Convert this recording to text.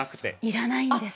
要らないんです。